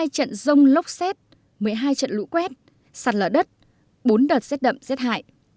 hai trăm một mươi hai trận rông lốc xét một mươi hai trận lũ quét sạt lở đất bốn đợt xét đậm xét hại